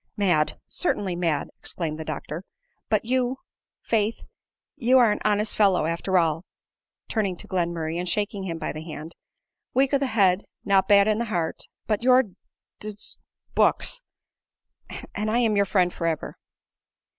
." Mad, certainly mad," exclaimed the doctor ;" but you, faith, you are an honest fellow after all," turning to Glenmurray and shaking him by the hand ;" weak o' the head, not bad in the heart ; burn your d— — d books and I am your friend for ever."